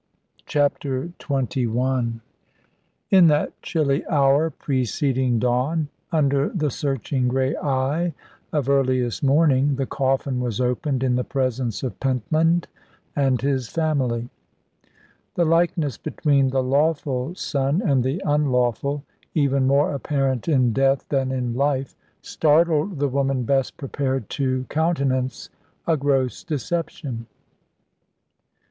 CHAPTER XXI In that chilly hour preceding dawn, under the searching grey eye of earliest morning, the coffin was opened in the presence of Pentland and his family. The likeness between the lawful son and the unlawful, even more apparent in death than in life, startled the woman best prepared to countenance a gross deception.